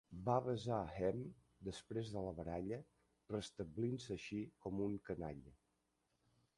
Va besar Hemme després de la baralla, restablint-se així com un canalla.